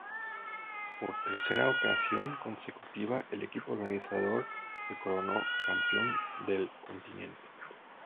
Por tercera ocasión consecutiva, el equipo organizador, se coronó campeón del continente.